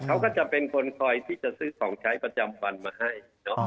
เขาก็จะเป็นคนคอยที่จะซื้อของใช้ประจำวันมาให้